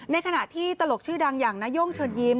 ในขณะที่ตลกชื่อดังอย่างนาย่งเชิญยิ้ม